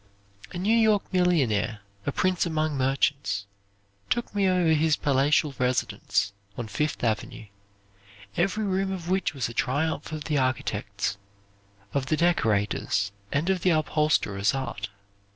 A New York millionaire, a prince among merchants, took me over his palatial residence on Fifth Avenue, every room of which was a triumph of the architect's, of the decorator's, and of the upholsterer's art.